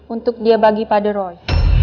untuk dia bagi pada roy